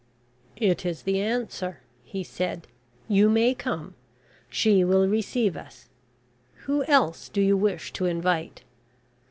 "It is the answer," he said. "You may come. She will receive us. Who else do you wish to invite?"